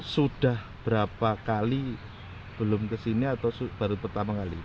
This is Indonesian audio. sudah berapa kali belum kesini atau baru pertama kali